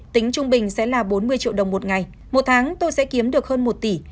tính trung bình sẽ là bốn mươi triệu đồng một ngày một tháng tôi sẽ kiếm được hơn một tỷ